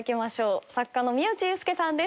作家の宮内悠介さんです。